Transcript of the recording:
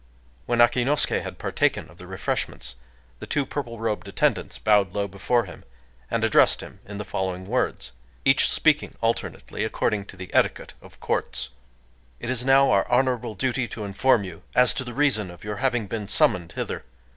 When Akinosuké had partaken of the refreshments, the two purple robed attendants bowed low before him, and addressed him in the following words,—each speaking alternately, according to the etiquette of courts:— "It is now our honorable duty to inform you... as to the reason of your having been summoned hither...